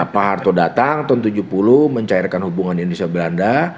pak harto datang tahun seribu sembilan ratus tujuh puluh mencairkan hubungan indonesia belanda